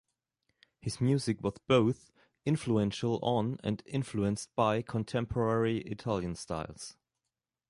His music was both influential on, and influenced by, contemporary Italian styles.